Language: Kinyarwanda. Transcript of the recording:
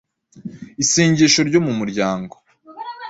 Isengesho ryo mu muryango,